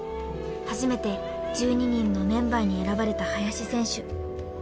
［初めて１２人のメンバーに選ばれた林選手］